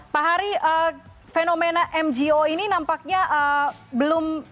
pak hari fenomena mgo ini nampaknya belum